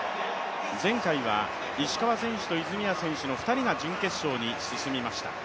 前回は石川選手と泉谷選手の２人が準決勝に進みました。